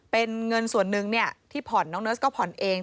เป็นเงินส่วนหนึ่งที่ผ่อนน้องเนิร์สก็ผ่อนเอง